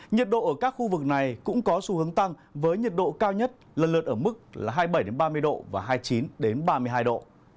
nhiệt độ ở các khu vực này cũng có xu hướng tăng với nhiệt độ cao nhất lần lượt ở mức hai mươi bảy ba mươi độ và hai mươi chín ba mươi hai độ